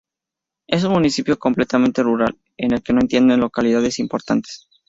Es un municipio completamente rural en el que no existen localidades importantes.